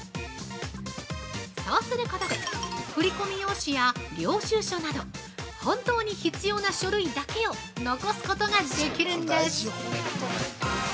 そうすることで、振り込み用紙や領収書など、本当に必要な書類だけを残すことができるんです。